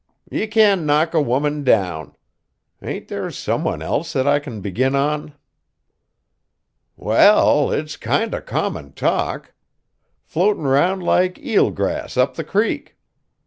"Ye can't knock a woman down. Ain't there some one else that I kin begin on?" "Well, it's kind o' common talk. Floatin' round like eelgrass up the creek.